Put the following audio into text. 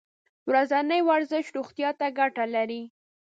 ورځنی ورزش روغتیا ته ګټه لري.